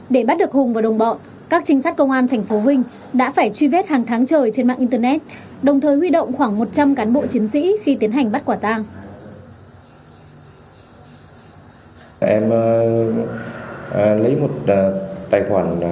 để bắt được hùng và đồng bọn các trinh sát công an tp vinh đã phải truy vết hàng tháng trời trên mạng internet đồng thời huy động khoảng một trăm linh cán bộ chiến sĩ khi tiến hành bắt quả tàng